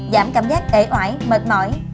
giảm cảm giác ẩy oãi mệt mỏi